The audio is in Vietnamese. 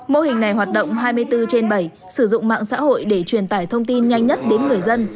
mô hình này hoạt động hai mươi bốn trên bảy sử dụng mạng xã hội để truyền tải thông tin nhanh nhất đến người dân